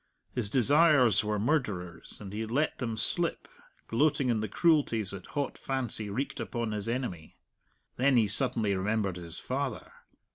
His desires were murderers, and he let them slip, gloating in the cruelties that hot fancy wreaked upon his enemy. Then he suddenly remembered his father.